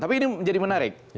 tapi ini menjadi menarik